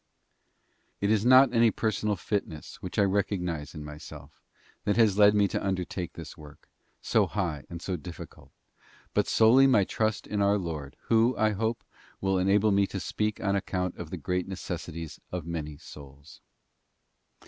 It is not any personal fitness which I recognise in myself that has led me to undertake this work, so high and so difficult, but solely my trust in our Lord, Who, I hope, will enable me to speak on account of the great necessities of many souls.